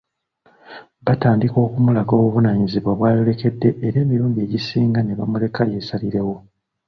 Batandika okumulaga obuvunaanyizibwa bwayolekede era emirundi egisinga ne bamuleka yeesalirewo.